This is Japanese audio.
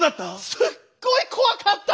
すっごい怖かった！